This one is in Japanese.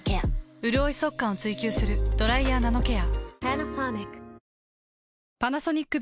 うるおい速乾を追求する「ドライヤーナノケア」。